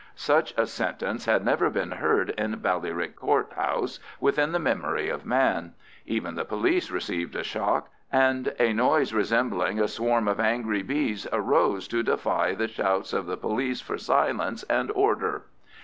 Such a sentence had never been heard in Ballyrick Court house within the memory of man; even the police received a shock, and a noise resembling a swarm of angry bees arose to defy the shouts of the police for silence and order.